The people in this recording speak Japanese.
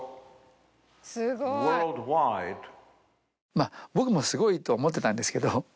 まぁ僕もすごいとは思ってたんですけど